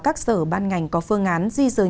các sở ban ngành có phương án di rời